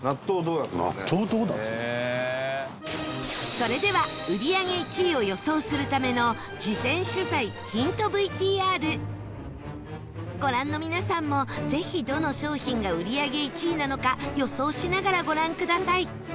それでは売り上げ１位を予想するための事前取材、ヒントＶＴＲご覧の皆さんも、ぜひどの商品が売り上げ１位なのか予想しながら、ご覧ください